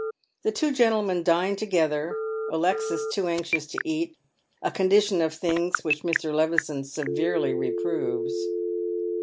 The two gentlemen dine together, Alexis too anxious to eat, a condition of things which Mr. Levison severely reproves.